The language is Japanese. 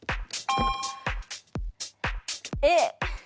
Ａ。